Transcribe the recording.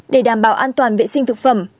để đảm bảo an toàn vệ sinh thực phẩm